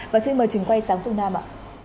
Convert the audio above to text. và xin mời chừng quay sáng phương nam ạ